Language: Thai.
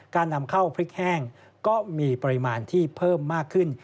การนำเข้าพริกแห้งก็มีปริมาณที่เพิ่มมากขึ้น